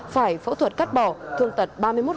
phải phẫu thuật cắt bỏ thương tật ba mươi một